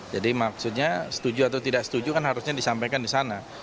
jadi maksudnya setuju atau tidak setuju kan harusnya disampaikan di sana